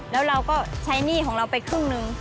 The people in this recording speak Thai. แล้วเราก็ใช้หนี้ของเราไปครึ่งหนึ่ง